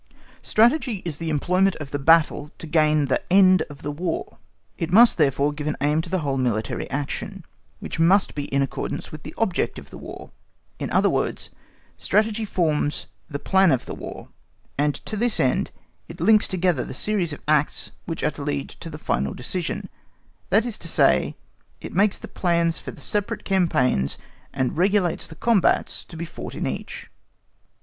Strategy is the employment of the battle to gain the end of the War; it must therefore give an aim to the whole military action, which must be in accordance with the object of the War; in other words, Strategy forms the plan of the War, and to this end it links together the series of acts which are to lead to the final decision, that, is to say, it makes the plans for the separate campaigns and regulates the combats to be fought in each.